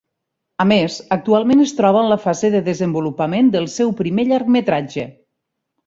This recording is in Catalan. A més, actualment es troba en la fase de desenvolupament del seu primer llargmetratge.